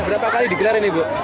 berapa kali digelar ini bu